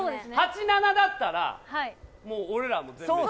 ８７だったらもう俺らも全滅・